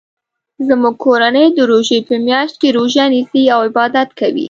زموږ کورنۍ د روژی په میاشت کې روژه نیسي او عبادت کوي